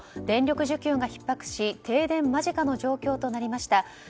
電力需給がひっ迫し停電間近の状況となりました。